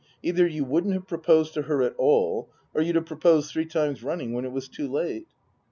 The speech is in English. Either you wouldn't have proposed to her at all, or you'd have pro posed three times running when it was too late."